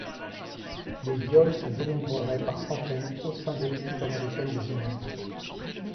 Les viols se dénombreraient par centaines au sein de l'équipe américaine de gymnastique.